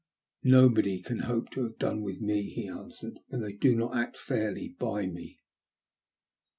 "Nobody can hope to have done with me," he answered, " when they do not act fairly by me."